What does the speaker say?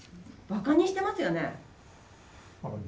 ばかにしてますよね？